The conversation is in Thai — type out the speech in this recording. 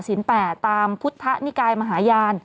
สินแป่ตามพุทธนิกายมหาญ